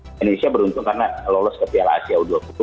indonesia beruntung karena lolos ke piala asia u dua puluh